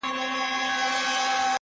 الاهو دي نازولي دي غوږونه؟-!